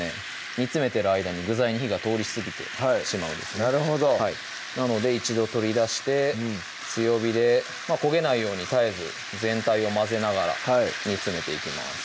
煮詰めてる間に具材に火が通りすぎてしまうんですなので一度取り出して強火で焦げないように絶えず全体を混ぜながら煮詰めていきます